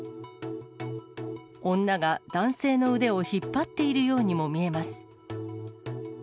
女が男性の腕を引っ張っているようにも見えます。